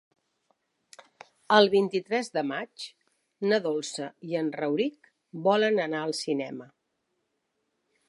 El vint-i-tres de maig na Dolça i en Rauric volen anar al cinema.